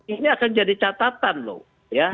ini akan jadi catatan loh ya